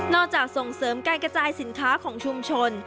ส่งเสริมการกระจายสินค้าของชุมชน